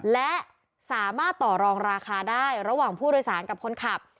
และสามารถต่อรองราคาได้ระหว่างผู้โดยสารกับคนขับ